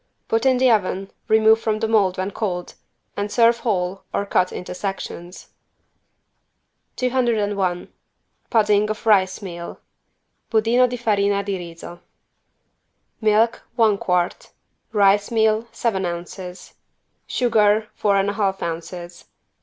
Put it in the oven, remove from the mold when cold and serve whole or cut into sections. 201 PUDDING OF RICE MEAL (Budino di farina di riso) Milk, one quart. Rice meal, seven ounces. Sugar, four and a half ounces.